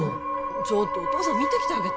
ちょっとお父さん見てきてあげて・